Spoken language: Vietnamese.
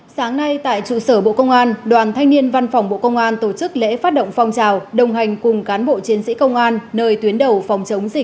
các bạn hãy đăng ký kênh để ủng hộ kênh của chúng mình nhé